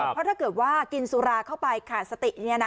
เพราะถ้าเกิดว่ากินสุราเข้าไปขาดสติ